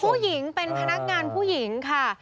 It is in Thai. ผู้หญิงเป็นพนักงานผู้หญิงค่ะ